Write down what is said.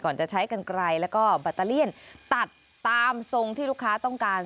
จะใช้กันไกลแล้วก็แบตเตอเลี่ยนตัดตามทรงที่ลูกค้าต้องการ